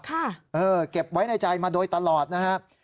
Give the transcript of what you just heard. เออเก็บไว้ในใจมาโดยตลอดนะครับ